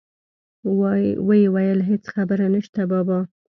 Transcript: ويې ويل هېڅ خبره نشته بابا.